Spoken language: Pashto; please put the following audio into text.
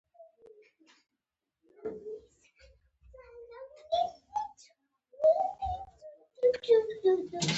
مخالفینو به د واکمنو اقتدار ته خطر پېښاوه.